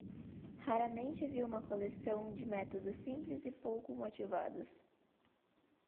Raramente vi uma coleção de métodos simples e pouco motivados.